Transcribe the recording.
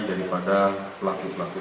daripada pelaku pelaku ini